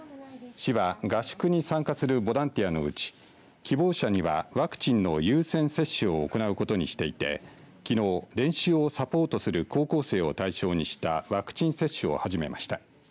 市は合宿に参加するボランティアのうち希望者にはワクチンの優先接種を行うことにしていてきのう練習をサポートする高校生を対象にしたワクチン接種を始めました。